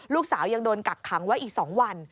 ลูกสาวยังโดนกักขังไว้อีก๒วัน